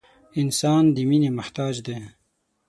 • انسان د مینې محتاج دی.